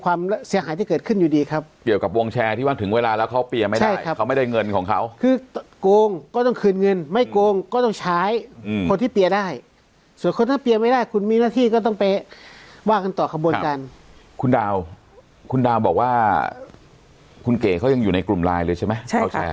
ว่ากันต่อกันบนการคุณดาวคุณดาวบอกว่าคุณเก๋เขายังอยู่ในกลุ่มไลน์เลยใช่ไหมใช่ค่ะ